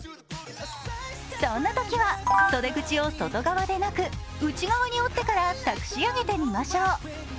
そんなときは、袖口を外側でなく内側に折ってからたくし上げてみましょう。